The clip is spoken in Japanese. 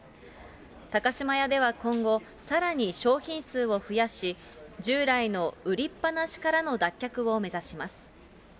高島屋では今後、さらに商品数を増やし、従来の売りっぱなしからの脱却を目指します。